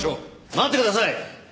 待ってください！